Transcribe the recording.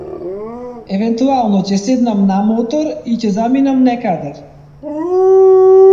Евентуално ќе седнам на мотор и ќе заминем некаде.